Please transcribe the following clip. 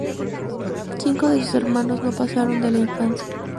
Cinco de sus hermanos no pasaron de la infancia.